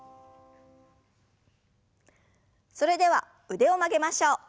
それでは腕を曲げましょう。